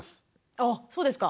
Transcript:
あそうですか！